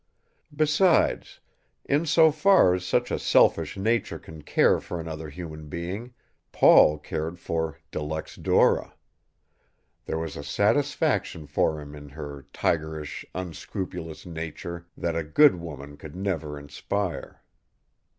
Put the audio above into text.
Besides, in so far as such a selfish nature can care for another human being, Paul cared for De Luxe Dora. There was a fascination for him in her tigerish, unscrupulous nature that a good woman could never inspire.